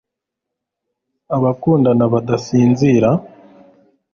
Abakundana badasinzira